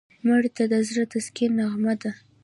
مړه ته د زړه تسکین نغمه ده